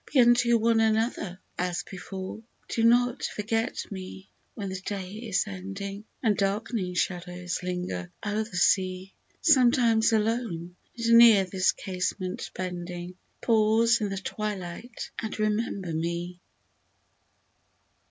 Be unto one another as before ! Do not forget me ! when the day is ending, And darkening shadows linger o'er the sea. Sometimes alone, and near this casement bending, Pause in the twilight and remember me